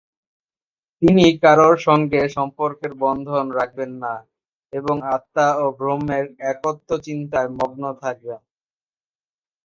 তিনি কারোর সঙ্গে সম্পর্কের বন্ধন রাখবেন না এবং আত্মা ও ব্রহ্মের একত্ব চিন্তায় মগ্ন থাকবেন।